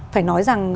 phải nói rằng